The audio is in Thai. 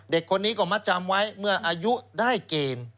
เด็กคนนี้ก็มัดจำไว้เมื่ออายุได้เกณฑ์